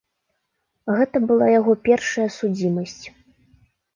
Гэта была яго першая судзімасць.